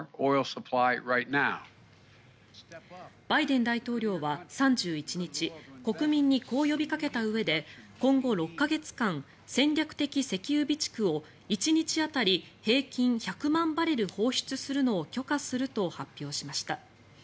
バイデン大統領は３１日国民にこう呼びかけたうえで今後６か月間戦略的石油備蓄を１日当たり平均１００万バレル放出するのを許可すると発表しました。